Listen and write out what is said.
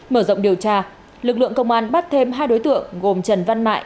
mở rộng điều tra lực lượng công an bắt thêm hai đối tượng gồm trần văn